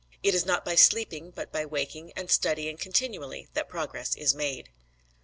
It is not by sleeping but by waking and studying continually that progress is made.